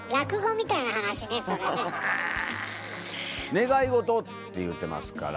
「願いごと」って言うてますから。